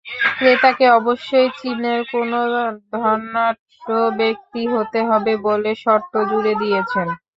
ক্রেতাকে অবশ্যই চীনের কোনো ধনাঢ্য ব্যক্তি হতে হবে বলে শর্ত জুড়ে দিয়েছেন।